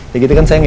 begitu kan sayang ya